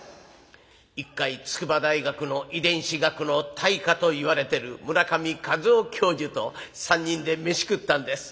一回筑波大学の遺伝子学の大家といわれてる村上和雄教授と３人で飯食ったんです。